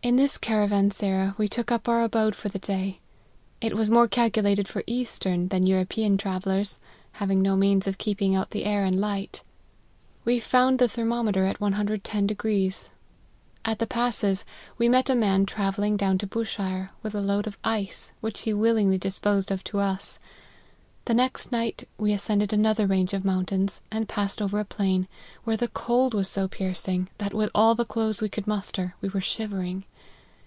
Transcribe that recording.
In this caravansera we took up our abode for the day. It was more calculated for eastern, than European travellers, having no means of keeping out the air and light. We found the 140 LIFE OF HENRY MARTYN. thermometer at 110. At the passes we met a man travelling down to Bushire, with a load of Ice, which he willingly disposed of to us. The next night we ascended another range of mountains, and passed over a plain, where the cold was so piercing, that with all the clothes we could muster, we were shivering.